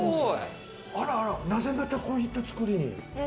なぜまたこういったつくりに？